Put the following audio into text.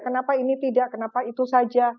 kenapa ini tidak kenapa itu saja